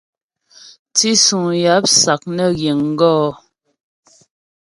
Tísuŋ yáp sák nə ghíŋ gɔ̌.